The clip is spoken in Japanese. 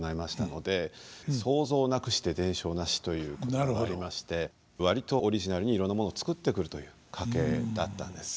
「創造なくして伝承なし」ということがありまして割とオリジナルにいろんなものを作ってくるという家系だったんです。